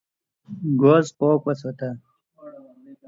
ګاز پاک وساته.